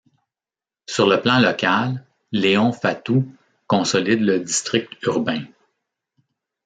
Sur le plan local Léon Fatous consolide le District Urbain.